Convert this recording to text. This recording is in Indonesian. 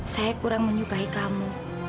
saya kurang menyukai kamu